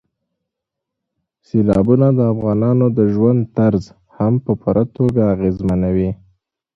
سیلابونه د افغانانو د ژوند طرز هم په پوره توګه اغېزمنوي.